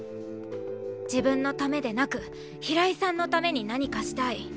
自分のためでなく平井さんのために何かしたい。